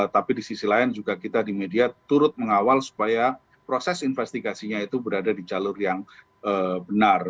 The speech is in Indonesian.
tapi di sisi lain juga kita di media turut mengawal supaya proses investigasinya itu berada di jalur yang benar